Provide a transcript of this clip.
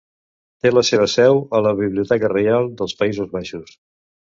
Té la seva seu a la Biblioteca Reial dels Països Baixos.